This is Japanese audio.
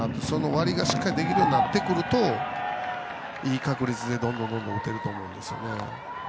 割りがしっかりできるようになるといい確率でどんどん打てると思うんですよね。